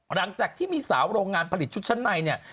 หลังจากที่มีสาวโรงงานผลิตชุดชั้นในเนี่ย